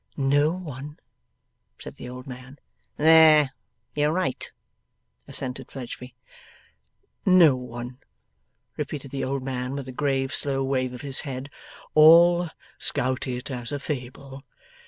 'No one,' said the old man. 'There you're right,' assented Fledgeby. 'No one,' repeated the old man with a grave slow wave of his head. 'All scout it as a fable.